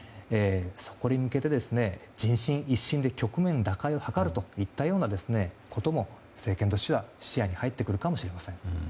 そこに向けて人心一新で局面打開を図るといったようなことも政権としては視野に入ってくるかもしれません。